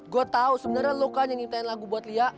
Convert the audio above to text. gua tau sebenernya lu kan nyanyiin lagu buat lia